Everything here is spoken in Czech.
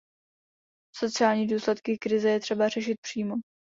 Sociální důsledky krize je třeba řešit přímo.